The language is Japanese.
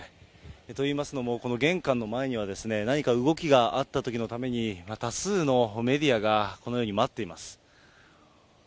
といいますのも、この玄関の前には、何か動きがあったときのために、多数のメディアがこのように待っています。